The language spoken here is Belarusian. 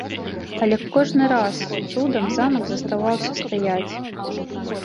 Але кожны раз цудам замак заставаўся стаяць.